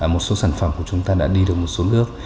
một số sản phẩm của chúng ta đã đi được một số nước